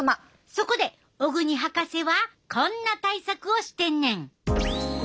そこで小國博士はこんな対策をしてんねん。